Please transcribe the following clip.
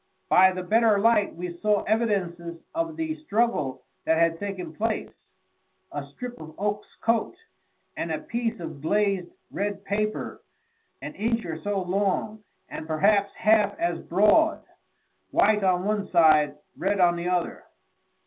By the better light we saw evidences of the struggle that had taken place a strip of Oakes's coat, and a piece of glazed red paper an inch or so long, and perhaps half as broad white on one side, red on the other.